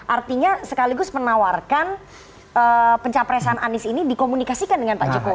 artinya sekaligus menawarkan pencapresan anies ini dikomunikasikan dengan pak jokowi